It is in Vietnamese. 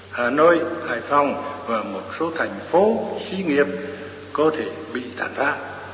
hà nội hải phòng và một số thành phố xí nghiệp có thể bị tàn phá